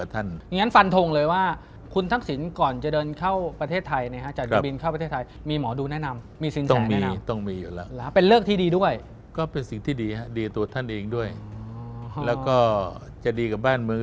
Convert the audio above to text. ทางด้วยคุณธักษินทร์ออกมาแล้วมีสื่อไถ้ทอดสดไหมครับ